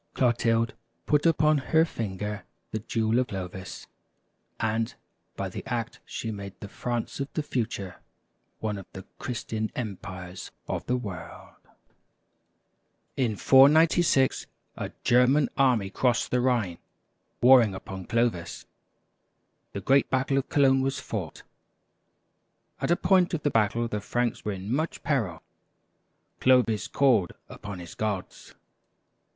" Clotilde put upon her finger the jewel of Clovis ; and by the act she made the France of the future one of the Christian empires of the world. 44 THE BAPTISM OF CLOVIS, RHEIMS, A.D. 496. 9 'I » THE CONVERSION OF THE FRANKS. 47 In 496, a German army crossed the Rhine, warring upon Clovis. The great battle of Cologne was fought. At a point of the battle the Franks were in much peril. Clovis called upon his gods.